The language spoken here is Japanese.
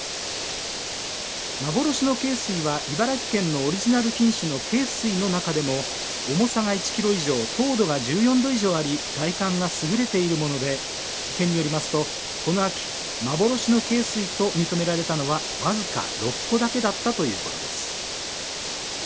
幻の恵水は茨城県のオリジナル品種の恵水の中でも重さが１キロ以上糖度が１４度以上あり外観がすぐれているもので県によりますと、この秋幻の恵水と認められたのは僅か６個だけだったということです。